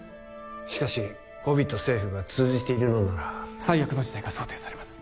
しかしゴビと政府が通じているのなら最悪の事態が想定されます